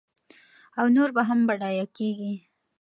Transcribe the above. او نور به هم بډایه کېږي.